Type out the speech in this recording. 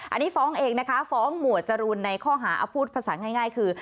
อันนี้ฟ้องเองนะคะฟ้องหมวดจรูนในข้อหาเอาพูดภาษาง่ายคือ